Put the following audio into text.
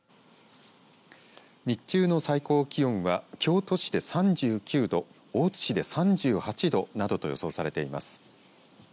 日中の最高気温は京都市で３９度大津市で３８度などと予想されています。